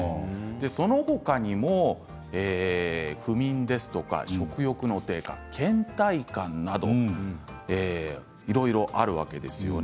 その他にも不眠ですとか食欲の低下、けん怠感などいろいろあるわけですよね。